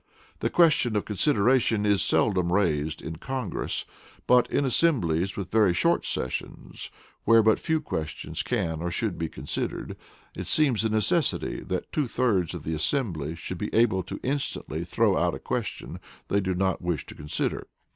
The question of consideration is seldom raised in Congress, but in assemblies with very short sessions, where but few questions can or should be considered, it seems a necessity that two thirds of the assembly should be able to instantly throw out a question they do not wish to consider.